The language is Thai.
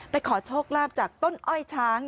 ขอโชคลาภจากต้นอ้อยช้าง